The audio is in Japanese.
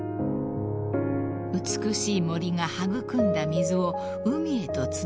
［美しい森が育んだ水を海へとつなぐ川］